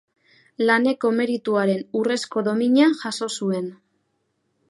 Laneko Merituaren Urrezko Domina jaso zuen.